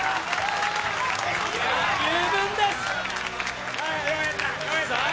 十分です！